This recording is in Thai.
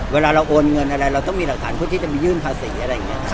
เวลาเราโอนเงินอะไรเราต้องมีหลักฐานเพื่อที่จะมายื่นภาษีอะไรอย่างนี้